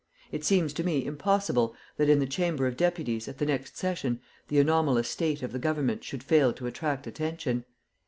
It seems to me impossible that in the Chamber of Deputies at the next session the anomalous state of the government should fail to attract attention.